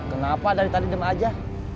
kenapa dari tadi demam aja